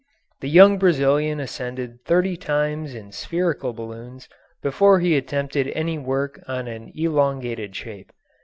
The young Brazilian ascended thirty times in spherical balloons before he attempted any work on an elongated shape.